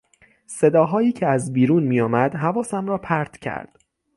صداهایی که از بیرون میآمد حواسم را پرت کرد.